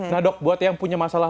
nah dok buat yang punya masalah